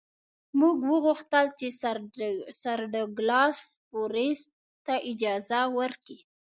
موږ وغوښتل چې سر ډاګلاس فورسیت ته اجازه ورکړي.